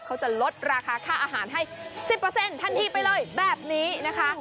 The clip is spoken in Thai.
เขาจะลดราคาค่าอาหารให้๑๐ทันทีไปเลยแบบนี้นะคะ